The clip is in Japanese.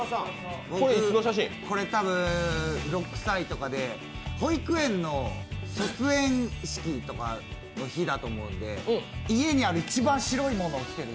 これ多分、６歳とかで、保育園の卒園式とかの日だと思うので家にある一番白いものを着てる。